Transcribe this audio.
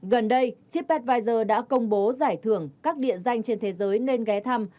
gần đây tripadvisor đã công bố giải thưởng các địa danh trên thế giới nên ghé thăm